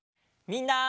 みんな！